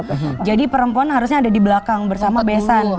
karena perempuan harusnya ada di belakang bersama besan